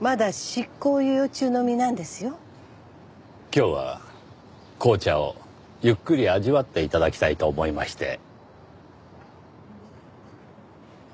今日は紅茶をゆっくり味わって頂きたいと思いまして。